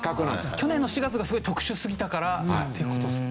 去年の４月がすごい特殊すぎたからって事ですね。